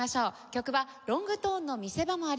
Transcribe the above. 曲はロングトーンの見せ場もあります